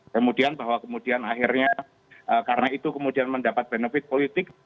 kemudian bahwa kemudian akhirnya karena itu kemudian mendapat benefit politik